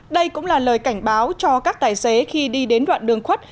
đây cũng là lời cảnh báo cho các tài xế khi đi đến đoạn đường khuất